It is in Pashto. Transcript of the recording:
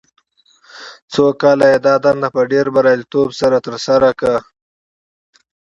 څو کاله یې دا دنده په ډېر بریالیتوب سره ترسره کړه.